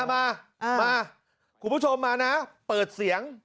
มามาคุณผู้ชมมานะเปิดเสียง